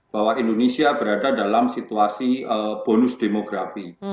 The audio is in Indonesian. bahwa indonesia berada dalam situasi bonus demografi